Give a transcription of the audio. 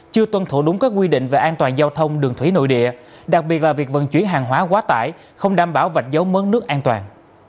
chưa tuân thủ đúng các quy định về an toàn giao thông đường thủy nội địa đặc biệt là việc vận chuyển hàng hóa quá tải không đảm bảo vạch dấu mớn nước an toàn